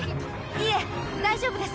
いえ大丈夫です。